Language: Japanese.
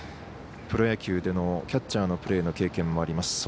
プロ野球でのキャッチャーのプレーの経験もあります。